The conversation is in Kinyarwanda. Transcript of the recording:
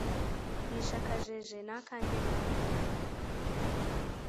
Nishe akajeje nakanjye nawe